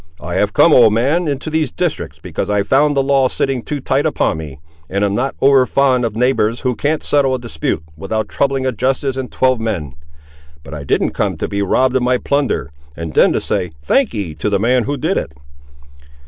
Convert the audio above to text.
I have come, old man, into these districts because I found the law sitting too tight upon me, and am not over fond of neighbours who can't settle a dispute without troubling a justice and twelve men; but I didn't come to be robb'd of my plunder, and then to say thank'ee to the man who did it!"